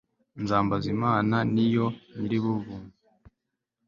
nzambaza imana, ni yo nyir'ubuvunyi